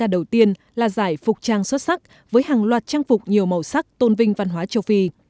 đầu tiên là giải phục trang xuất sắc với hàng loạt trang phục nhiều màu sắc tôn vinh văn hóa châu phi